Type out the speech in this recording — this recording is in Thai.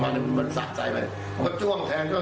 มันก็ลาดจากไอแอนนี้ไปหาน้องไปเห็น